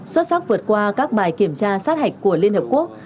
xuất sắc vượt qua các bài kiểm tra sát hạch của liên hợp quốc